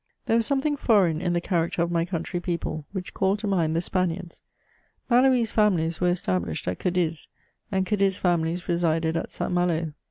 There was something foreign in the character of my country people, which called to mind the Spaniards. Maloese families were established at Cadiz, and Cadiz families resided at St. Malo.